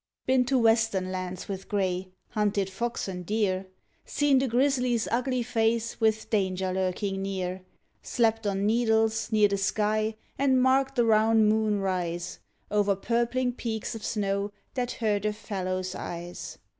Been to Western lands with Grey ... hunted fox and deer. Seen the Grizzly's ugly face with danger lurkin' near. Slept on needles, near th' sky, and marked th' round moon rise Over purpling peaks of snow that hurt a fellow's eyes.